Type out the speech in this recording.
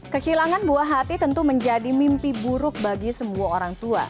kehilangan buah hati tentu menjadi mimpi buruk bagi semua orang tua